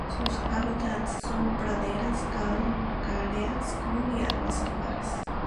Sus hábitats son praderas calcáreas con hierbas salvajes.